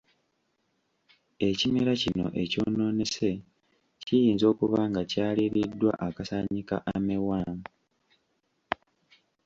Ekimera kino ekyonoonese kiyinza okuba nga kyaliiriddwa akasaanyi ka armyworm.